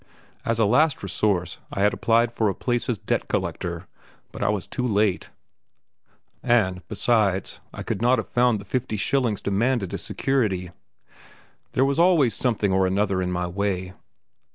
As a last resource, I had applied for a place as debt collector, but I was too late, and, besides, I could not have found the fifty shillings demanded as security. There was always something or another in my way.